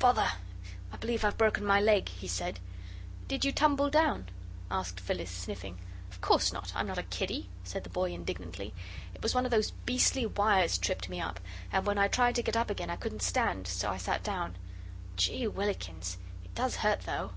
"Bother! I believe I've broken my leg," he said. "Did you tumble down?" asked Phyllis, sniffing. "Of course not I'm not a kiddie," said the boy, indignantly; "it was one of those beastly wires tripped me up, and when I tried to get up again I couldn't stand, so I sat down. Gee whillikins! it does hurt, though.